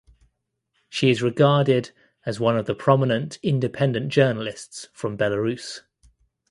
She is regarded as one of the prominent independent journalists from Belarus.